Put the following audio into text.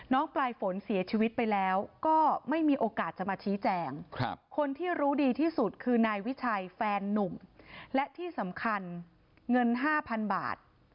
ปลายฝนเสียชีวิตไปแล้วก็ไม่มีโอกาสจะมาชี้แจงคนที่รู้ดีที่สุดคือนายวิชัยแฟนนุ่มและที่สำคัญเงิน๕๐๐๐บาท